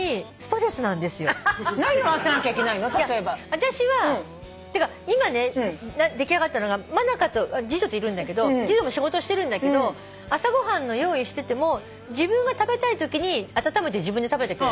私は今ね出来上がったのが次女といるんだけど次女も仕事してるんだけど朝ご飯の用意してても自分が食べたいときに温めて自分で食べて。